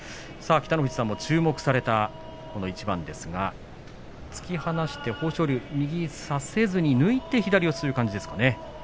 北の富士さんも注目されたこの一番ですが突き放して豊昇龍右を差せずに抜いて左四つという感じですかね。